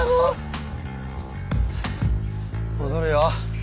戻るよ。